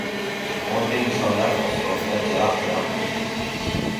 Orden-nishonlar oftobda jaraq-jaraq etdi!